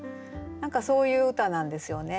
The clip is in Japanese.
何かそういう歌なんですよね。